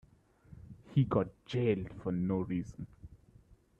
He got jailed for no reason.